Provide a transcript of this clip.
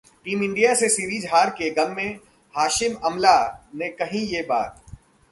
team India से series हार के गम में हाशिम अमला ने कही ये बात